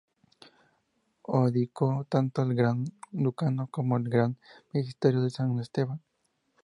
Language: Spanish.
Abdicó tanto del Gran Ducado como del Gran Magisterio de San Esteban.